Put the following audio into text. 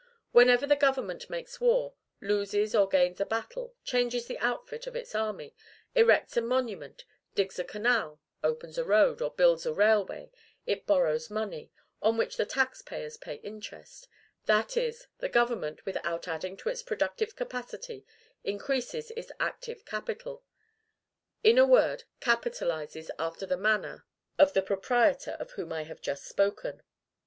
Whenever the government makes war, loses or gains a battle, changes the outfit of its army, erects a monu ment, digs a canal, opens a road, or builds a railway, it borrows money, on which the tax payers pay interest; that is, the government, without adding to its productive capacity, increases its active capital, in a word, capitalizes after the manner of the proprietor of whom I have just spoken.